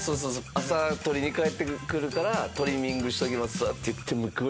朝取りに帰ってくるから「トリミングしときますわ」って言って。